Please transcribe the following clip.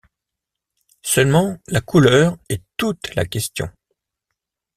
Seulement la couleur est toute la question.